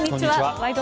「ワイド！